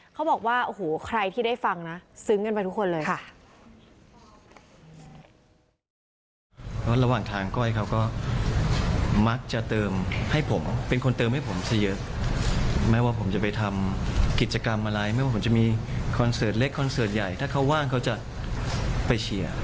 เขาบอกว่าโอ้โหใครที่ได้ฟังนะซึ้งกันไปทุกคนเลยค่ะ